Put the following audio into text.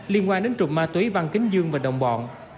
liên quan đến trục ma túy văn kính dương và đồng bọn